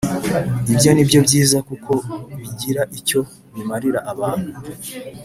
Ibyo ni byo byiza kuko bigira icyo bimarira abantu.